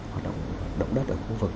hoạt động động đất ở khu vực